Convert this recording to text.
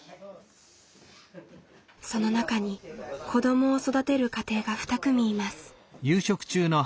その中に子どもを育てる家庭が２組います。